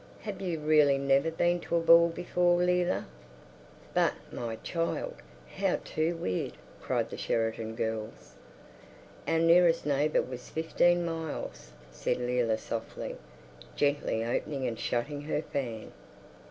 "Have you really never been to a ball before, Leila? But, my child, how too weird—" cried the Sheridan girls. "Our nearest neighbour was fifteen miles," said Leila softly, gently opening and shutting her fan.